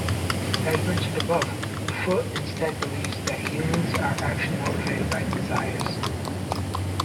As mentioned above, Foot instead believes that humans are actually motivated by desires.